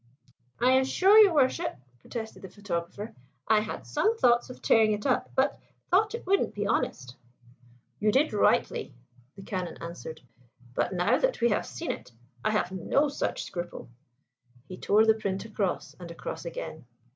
"I assure your Worship " protested the photographer. "I had some thoughts of tearing it up, but thought it wouldn't be honest." "You did rightly," the Canon answered; "but, now that we have seen it, I have no such scruple." He tore the print across, and across again.